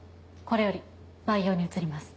これより培養に移ります。